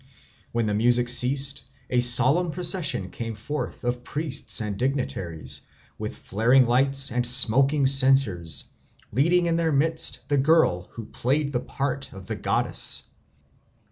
When the music ceased, a solemn procession came forth of priests and dignitaries, with flaring lights and smoking censers, leading in their midst the girl who played the part of the goddess.